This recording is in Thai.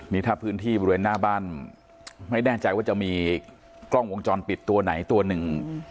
นี่ถ้าพื้นที่บริเวณหน้าบ้านไม่แน่ใจว่าจะมีกล้องวงจรปิดตัวไหนตัวหนึ่ง